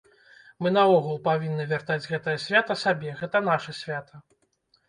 Мы наогул павінны вяртаць гэтае свята сабе, гэта наша свята.